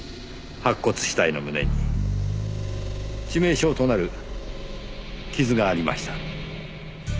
白骨死体の胸に致命傷となる傷がありました。